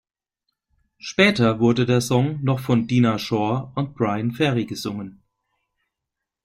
Später wurde der Song noch von Dinah Shore und Bryan Ferry gesungen.